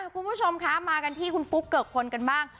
คุณผู้ชมคะมากันที่คุณฟุ๊กเกิกพลกันบ้าง